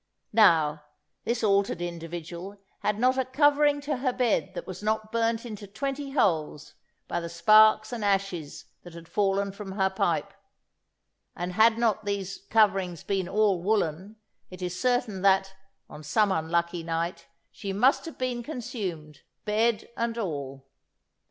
Now, this altered individual had not a covering to her bed that was not burnt into twenty holes by the sparks and ashes that had fallen from her pipe; and, had not these coverings been all woollen, it is certain that, on some unlucky night, she must have been consumed, bed and all.